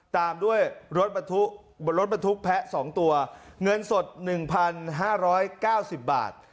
ตามด้วยรถบรรทุกแพ้๒ตัวเงินสด๑๕๙๐บาท